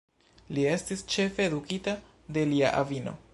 Li estis ĉefe edukita de lia avino.